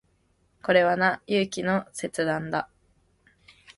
これはな、勇気の切断だ。